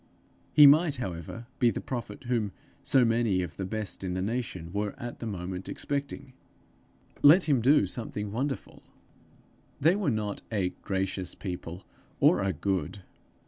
He might, however, be the prophet whom so many of the best in the nation were at the moment expecting! Let him do something wonderful! They were not a gracious people, or a good.